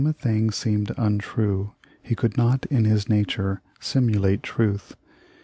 a thing seemed untrue he could not in his nature simulate truth.